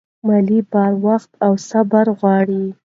مالي بریا وخت او صبر غواړي.